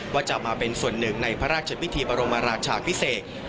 ว่าจะมาเป็นส่วนหนึ่งในพระราชพิธีบรมราชาพิเศษ